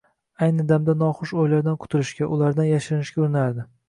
Ayni damda noxush oʻylardan qutilishga, ulardan yashirinishga urinardi.